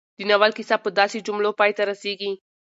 د ناول کيسه په داسې جملو پای ته رسېږي